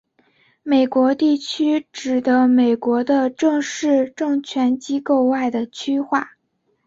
美国地区指的美国的正式政权机构外的区划。